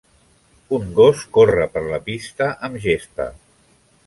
Un gos corre per la pista amb gespa.